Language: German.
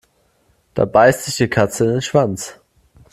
Da beißt sich die Katze in den Schwanz.